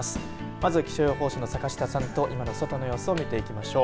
まずは気象予報士の坂下さんと今の外の様子を見ていきましょう。